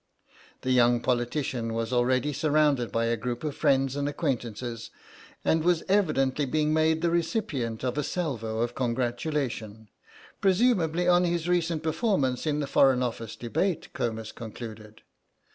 The young politician was already surrounded by a group of friends and acquaintances, and was evidently being made the recipient of a salvo of congratulation—presumably on his recent performances in the Foreign Office debate, Comus concluded.